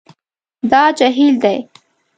دا جهیل دی